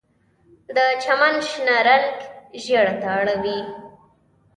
د چمن شنه رنګ ژیړ ته اړوي